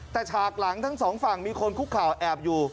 แต่ฉากหลังทั้งสองฝั่งมีคนคุกข่าวแอบอยู่